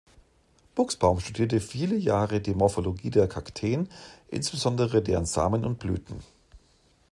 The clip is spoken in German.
Buxbaum studierte viele Jahre die Morphologie der Kakteen, insbesondere deren Samen und Blüten.